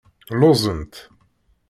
Lluẓent.